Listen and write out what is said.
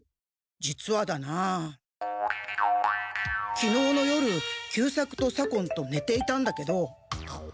実はだな今日の夜久作と左近とねていたんだけど。